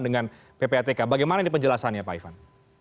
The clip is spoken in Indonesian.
dengan ppatk bagaimana ini penjelasannya pak ivan